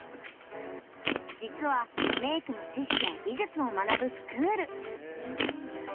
実は、メークの知識や技術を学ぶスクール。